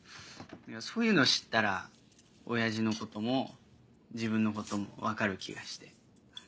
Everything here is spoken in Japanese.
そういうの知ったら親父のことも自分のことも分かる気がして。